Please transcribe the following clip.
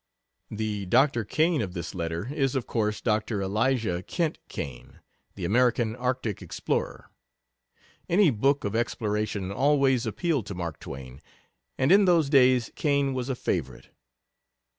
The Doctor Kane of this letter is, of course, Dr. Elisha Kent Kane, the American Arctic explorer. Any book of exploration always appealed to Mark Twain, and in those days Kane was a favorite.